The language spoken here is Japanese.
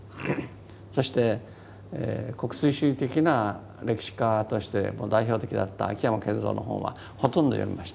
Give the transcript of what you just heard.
そして国粋主義的な歴史家としてもう代表的だった秋山謙蔵の本はほとんど読みました。